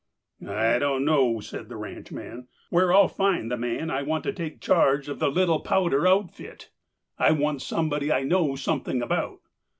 "I don't know," said the ranchman, "where I'll find the man I want to take charge of the Little Powder outfit. I want somebody I know something about.